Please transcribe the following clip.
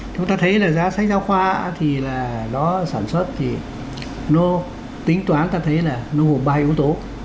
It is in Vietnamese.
chúng ta thấy là giá sách giáo khoa thì nó sản xuất thì tính toán ta thấy là nó hồn ba yếu tố